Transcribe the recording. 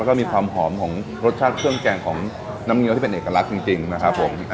แล้วก็มีความหอมของรสชาติเครื่องแกงของน้ำเงี้ยวที่เป็นเอกลักษณ์จริงนะครับผม